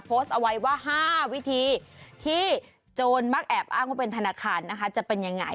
โพสต์เอาไว้ว่า๕วิธีที่โจรมักแอบอ้างว่าเป็นธนาคารนะคะจะเป็นยังไง